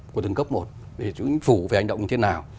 của từng cấp một để chúng phủ về hành động như thế nào